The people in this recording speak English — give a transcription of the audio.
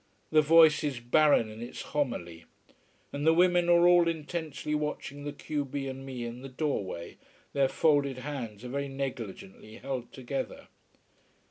The voice is barren in its homily. And the women are all intensely watching the q b and me in the doorway, their folded hands are very negligently held together.